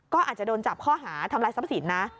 ก็อาจจะโดนจับข้อหาทำลายทรัพย์สินนะ